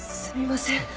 すみません。